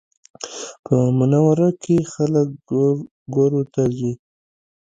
په منوره کې خلک ګورګورو ته ځي